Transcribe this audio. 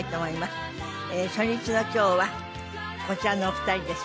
初日の今日はこちらのお二人です。